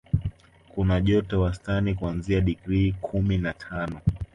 Kuna joto wastani kuanzia digrii kumi na tano